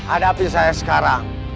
ada api saya sekarang